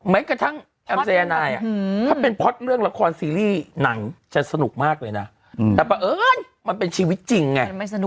แม้กระทั่งแอมสายนายถ้าเป็นเพราะเรื่องละครซีรีส์หนังจะสนุกมากเลยนะแต่ประเอิญมันเป็นชีวิตจริงไง